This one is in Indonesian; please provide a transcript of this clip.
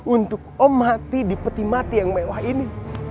untuk om hati di peti mati yang mewah ini